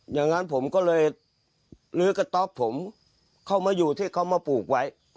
อย่างนั้นผมก็เลยลื้อกระต๊อบผมเข้ามาอยู่ที่เขามาปลูกไว้